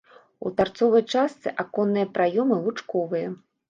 У тарцовай частцы аконныя праёмы лучковыя.